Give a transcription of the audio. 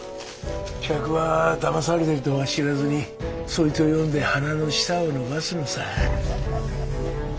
客はだまされているとは知らずにそいつを読んで鼻の下を伸ばすのさハハハ。